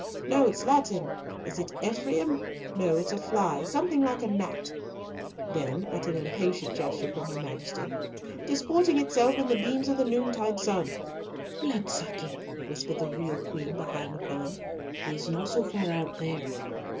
"No, it's Latin. Is it Ephraim? No; it's a fly, something like a gnat" (then at an impatient gesture from her Majesty) "disporting itself in the beams of the noontide sun." "Blood sucking," whispered the real Queen behind the fern. "He is not so far out there.